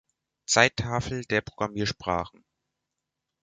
Zeittafel der Programmiersprachen